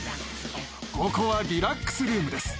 ここはリラックスルームです。